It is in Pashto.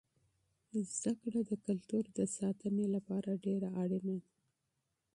تعلیم د کلتور د ساتنې لپاره مهم دی.